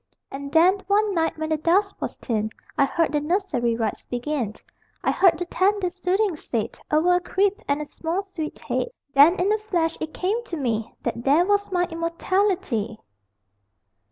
And then one night When the dusk was thin I heard the nursery Rites begin: I heard the tender Soothings said Over a crib, and A small sweet head. Then in a flash It came to me That there was my Immortality!